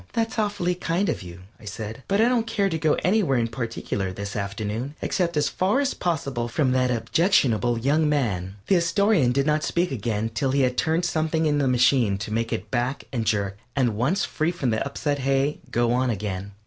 "That's awfully kind of you," I said, "but I don't care to go anywhere in particular this afternoon, except as far as possible from that objectionable young man." The Astorian did not speak again till he had turned something in the machine to make it back and jerk, and, once free from the upset hay, go on again.